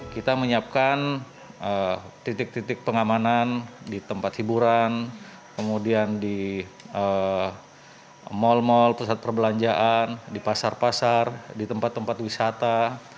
kita menyiapkan titik titik pengamanan di tempat hiburan kemudian di mal mal pusat perbelanjaan di pasar pasar di tempat tempat wisata